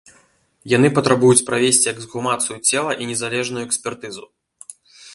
Яны патрабуюць правесці эксгумацыю цела і незалежную экспертызу.